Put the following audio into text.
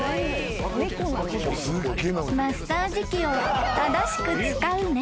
［マッサージ器を正しく使う猫］